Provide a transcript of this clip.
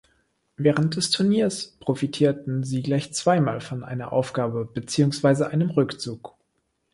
Während des Turniers profitierten sie gleich zweimal von einer Aufgabe beziehungsweise einem Rückzug.